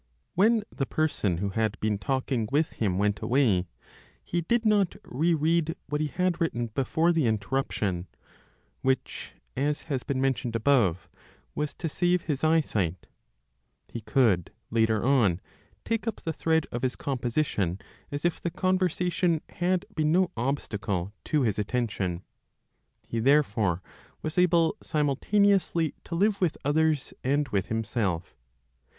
When the person who had been talking with him went away, he did not re read what he had written before the interruption, which, as has been mentioned above, was to save his eyesight; he could, later on, take up the thread of his composition as if the conversation had been no obstacle to his attention. He therefore was able simultaneously to live with others and with himself.